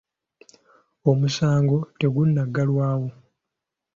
Omusango tegunaggalwawo.